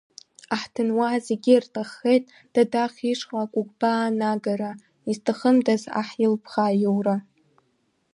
Аҳҭынуаа зегьы ирҭаххеит Дадаҳ ишҟа акәыкәбаа анагара, изҭахымдаз аҳ илыԥха аиура?